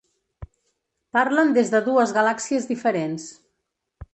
Parlen des de dues galàxies diferents.